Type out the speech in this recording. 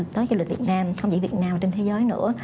tới du lịch việt nam không chỉ việt nam trên thế giới nữa